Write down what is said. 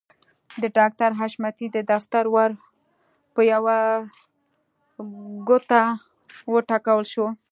د ډاکټر حشمتي د دفتر ور په يوه ګوته وټکول شو.